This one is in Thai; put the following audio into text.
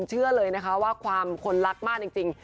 เชื่อเลยนะคะว่าความคนรักมากจริง